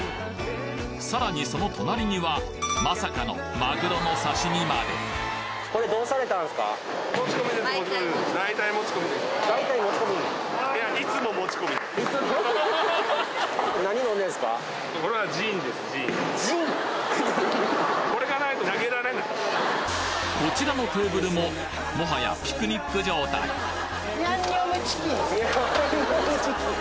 さらにその隣にはまさかのマグロの刺身までこちらのテーブルももはやピクニック状態ヤンニョムチキン！